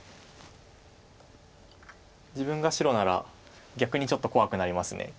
自分が白なら逆にちょっと怖くなります。